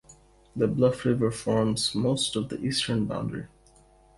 The Bluff River forms most of the eastern boundary.